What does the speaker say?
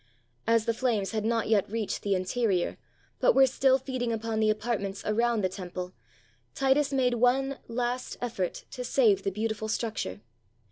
As the flames had not yet reached the interior, but were still feeding upon the apartments around the Temple, Titus made one last effort to save the beautiful structure.